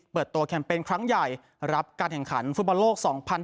เปิดตัวแคมเปญครั้งใหญ่รับการแข่งขันฟุตบอลโลก๒๐๑๖